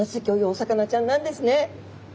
お魚ちゃんなんですね。